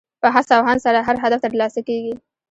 په هڅه او هاند سره هر هدف ترلاسه کېږي.